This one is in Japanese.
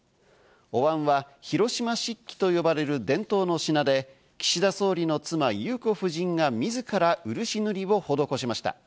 お椀は広島漆器と呼ばれる伝統の品で、岸田総理の妻・裕子夫人が自ら漆塗りを施しました。